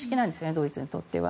ドイツにとっては。